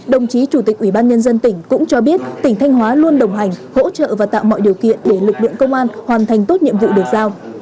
đồng chí chủ tịch ubnd tỉnh cũng cho biết tỉnh thanh hóa luôn đồng hành hỗ trợ và tạo mọi điều kiện để lực lượng công an hoàn thành tốt nhiệm vụ được giao